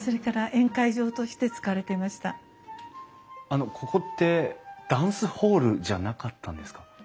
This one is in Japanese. あのここってダンスホールじゃなかったんですか？